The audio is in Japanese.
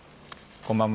こんばんは。